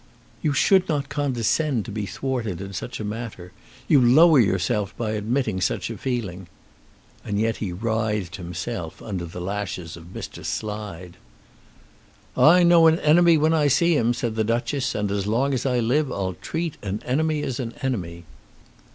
"You should not condescend to be thwarted in such a matter. You lower yourself by admitting such a feeling." And yet he writhed himself under the lashes of Mr. Slide! "I know an enemy when I see him," said the Duchess, "and as long as I live I'll treat an enemy as an enemy."